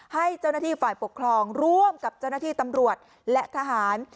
ให้เจ้าหน้าที่ฝ่ายปกครองร่วมกับเจ้าหน้าที่ตำรวจและทหาร